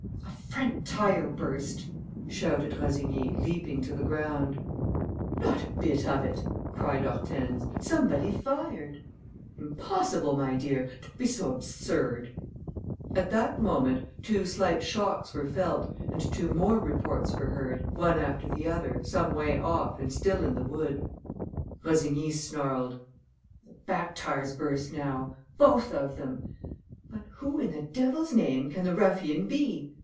"A front tire burst," shouted Rossigny, leaping to the ground. "Not a bit of it!" cried Hortense. "Somebody fired!" "Impossible, my dear! Don't be so absurd!" At that moment, two slight shocks were felt and two more reports were heard, one after the other, some way off and still in the wood. Rossigny snarled: "The back tires burst now ... both of them.... But who, in the devil's name, can the ruffian be?...